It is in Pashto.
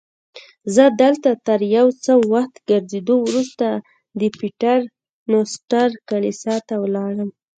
زه دلته تر یو څه وخت ګرځېدو وروسته د پیټر نوسټر کلیسا ته ولاړم.